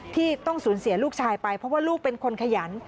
ที่ต้องสูญเสียลูกชายไปเพราะว่าลูกเป็นคนขยัน